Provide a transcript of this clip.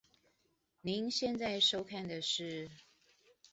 您現在收看的是